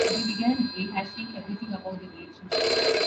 They begin rehashing everything about their relationship.